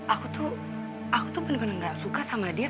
aku tuh aku tuh bener bener gak suka sama dia